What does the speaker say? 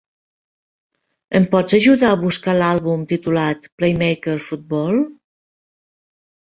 Em pots ajudar a buscar l'àlbum titulat PlayMaker Football?